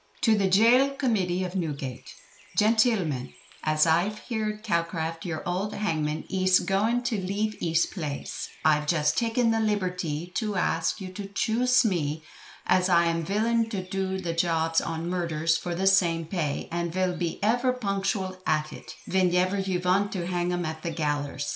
"To the Gaol Committee of Newgate," "Gentilmen, As Ive heerd Calcraft yure ould hangmon iz goin to leeve iz plaise, Ive just takin the libertee too ask yu too chuse me, as I am villin too do the jobs on murdrers for the same pay, and vill ever bee punkshal hat it, ven ever yu vant to hang em up at the gallerse.